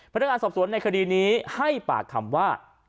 พนักงานสอบสวนในคดีนี้ให้ปากคำว่า